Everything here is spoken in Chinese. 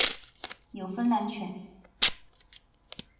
纽芬兰犬。